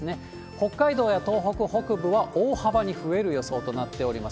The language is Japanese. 北海道や東北北部は大幅に増える予想となっております。